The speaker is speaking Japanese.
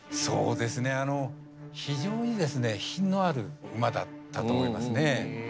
そうですねあの非常にですね品のある馬だったと思いますね。